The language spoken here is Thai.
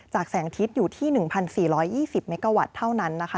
แสงทิศอยู่ที่๑๔๒๐เมกาวัตต์เท่านั้นนะคะ